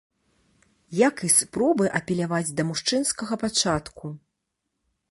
Як і спробы апеляваць да мужчынскага пачатку.